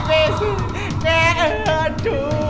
kek aduh berat banget